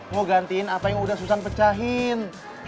mau gantiin apa yang udah susah pecahin